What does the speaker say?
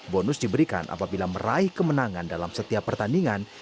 bonus diberikan apabila meraih kemenangan dalam setiap pertandingan